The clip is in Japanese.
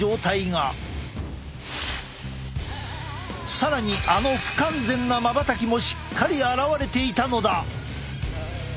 更にあの不完全なまばたきもしっかり現れていたのだ。